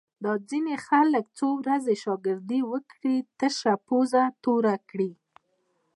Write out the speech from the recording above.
دا ځینې خلک څو ورځې شاگردي وکړي، تشه پوزه توره کړي